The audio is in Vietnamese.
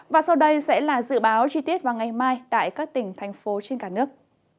và sau đây sẽ là dự báo chi tiết vào ngày mai tại các tỉnh thành phố trên cả nước